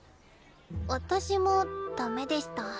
私もダメでした。